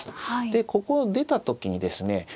でここ出た時にですね